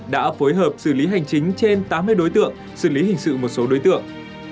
đã phối hợp xử lý hành chính trên tám mươi đối tượng xử lý hình sự một số đối tượng